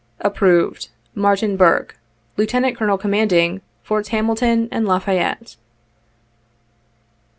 " Approved :— Martin Burke, Lieutenant Colonel , Commanding " Forts Hamilton and La Fayette.